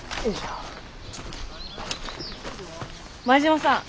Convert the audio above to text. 前島さん。